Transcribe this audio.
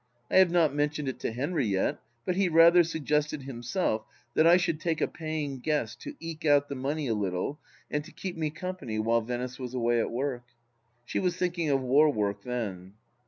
I have not mentioned it to Henry yet, but he rather suggested himself that I should take a paying guest to eke out the money a little, and to keep me company while Venice was away at work. She was thinking of war work then.